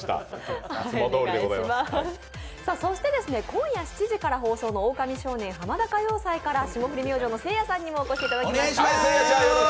今夜７時から放送の「オオカミ少年・ハマダ歌謡祭」から霜降り明星のせいやさんにもお越しいただきました。